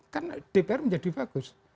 kan dpr menjadi bagus